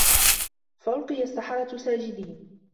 فَأُلقِيَ السَّحَرَةُ ساجِدينَ